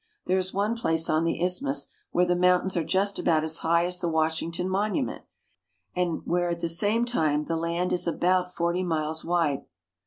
There is one place on the isthmus where the mountains are just about as high as the Washington Monument, and where at the same time the land is about forty miles wide.